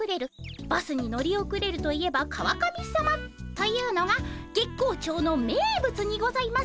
バスに乗り遅れるといえば川上さまというのが月光町の名物にございますからねえ。